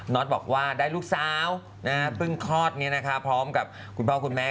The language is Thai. อตบอกว่าได้ลูกสาวเพิ่งคลอดพร้อมกับคุณพ่อคุณแม่